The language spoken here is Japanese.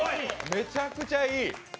めちゃくちゃいい！